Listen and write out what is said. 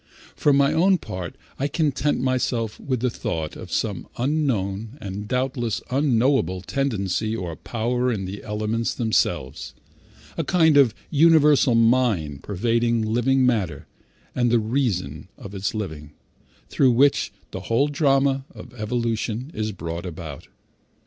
For my own part I content myself with the thought of some unknown and doubtless unknowable tendency or power in the elements themselves a kind of universal mind pervading living matter and the reason of its living, through which the whole drama of evolution is brought about.